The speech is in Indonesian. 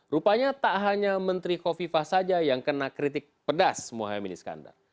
rupanya tak hanya menteri kow viva saja yang kena kritik pedas muhammad minis kandar